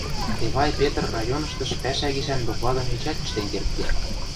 Эвай Петр районыштыш пӓшӓ гишӓн докладым эчеӓт ӹштен кердде.